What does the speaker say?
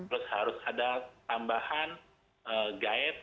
terus harus ada tambahan guide